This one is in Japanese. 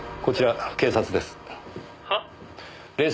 こちら警察です。